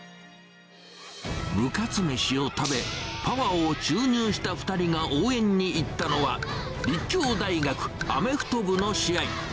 部活めしを食べ、パワーを注入した２人が応援に行ったのは、立教大学アメフト部の試合。